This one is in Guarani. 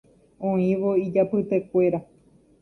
Oĩvo ijapytekuéra